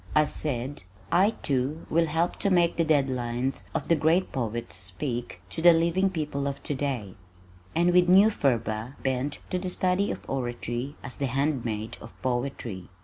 I said, "I, too, will help to make the dead lines of the great poets speak to the living people of today," and with new fervor bent to the study of oratory as the handmaid of poetry.